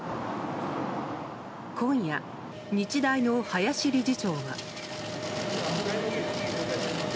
今夜、日大の林理事長は。